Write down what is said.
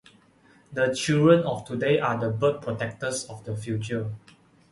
The children of today are the bird-protectors of the future.